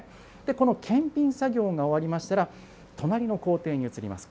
この検品作業が終わりましたら、隣の工程に移ります。